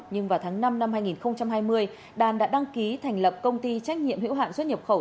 nhưng vào tháng năm năm hai nghìn hai mươi đàn đã đăng ký thành lập công ty trách nhiệm hữu hạn xuất nhập khẩu